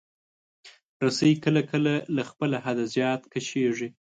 رسۍ کله کله له خپل حده زیات کشېږي.